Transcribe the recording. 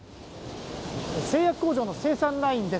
製薬工場の生産ラインです。